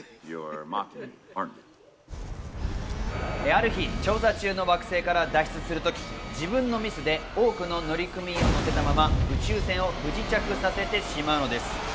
ある日、調査中の惑星から脱出するとき自分のミスで多くの乗組員を乗せたまま、宇宙船を不時着させてしまうのです。